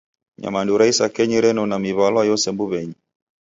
Nyamandu ra isakenyi renona miw'alwa yose mbuw'enyi.